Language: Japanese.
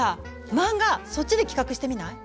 漫画そっちで企画してみない？